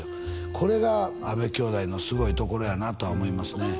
これが阿部兄妹のすごいところやなとは思いますね